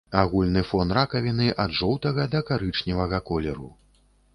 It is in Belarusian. Агульны фон ракавіны ад жоўтага да карычневага колеру.